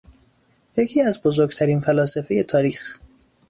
یکی از بزرگترین فلاسفهٔ تاریخ